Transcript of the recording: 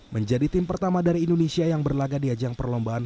menjadi tim pertama dari indonesia yang berlagak di ajang perlombaan